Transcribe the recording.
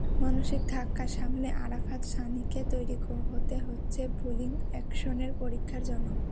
মানসিক ধাক্কা সামলে আরাফাত সানিকে তৈরি হতে হচ্ছে বোলিং অ্যাকশনের পরীক্ষার জন্য।